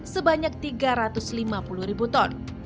sebanyak tiga ratus lima puluh ribu ton